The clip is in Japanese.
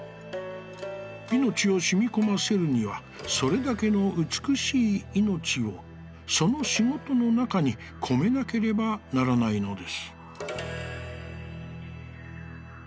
生命をしみこませるにはそれだけの美しい生命をその仕事の中にこめなければならないのです」。